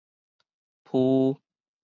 浡